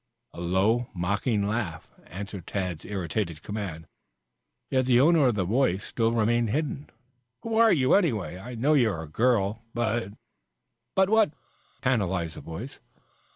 A low, mocking laugh answered Tad's irritated command, yet the owner of the voice still remained hidden. "Who are you, anyway? I know you are a girl, but " "But what?" tantalized the voice.